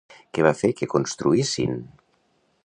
Què va fer que construïssin?